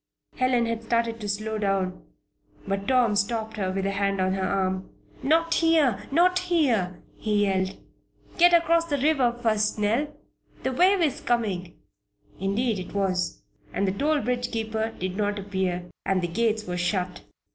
Helen had started to slow down; but Tom stopped her with a hand on her arm. "Not here! Not here!" he yelled. "Get across the river first, Nell! That wave is coming!" Indeed it was. And the toll bridge keeper did not appear, and the gates were shut.